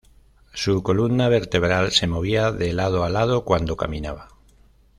Su columna vertebral se movía de lado a lado cuando caminaba.